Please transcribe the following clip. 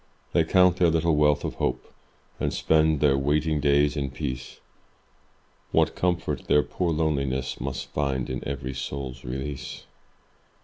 They count their little wealth of hope And spend their waiting days in peace, What comfort their poor loneliness Must find in every soul's release!